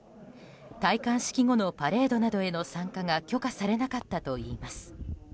戴冠式後のパレードなどへの参加が許可されなかったといいます。